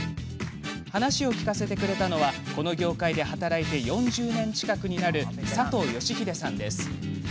話を聞かせてくれたのはこの業界で働いて４０年近くになる佐藤吉英さんです。